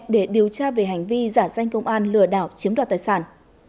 để điều tra về hành vi giả danh công an lừa đảo chiếm đoạt tài sản